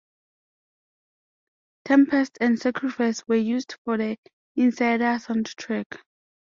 "Tempest" and "Sacrifice" were used for the "Insider" soundtrack.